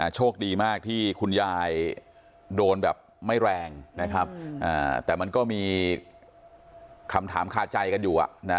โชคดีมากที่คุณยายโดนแบบไม่แรงนะครับแต่มันก็มีคำถามคาใจกันอยู่